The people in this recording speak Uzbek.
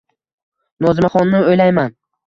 Nozimaxonni oʻylayman